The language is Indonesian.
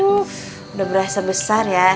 udah berasa besar ya